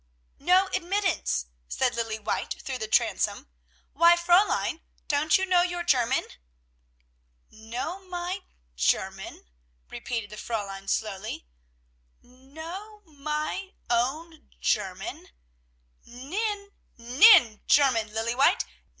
"No admittance," said Lilly White through the transom. "Why, Fräulein, don't you know your own German?" "Know my own German?" repeated the Fräulein slowly. "Know my own German? Nein! Nein! German, Lilly White!